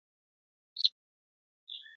د نن ماښام راهيسي خو زړه سوى ورځيني هېر سـو.